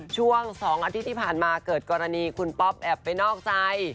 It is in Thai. ช่วง๒อาทิตย์ที่ผ่านมาเกิดกรณีคุณป๊อปแอบไปนอกใจ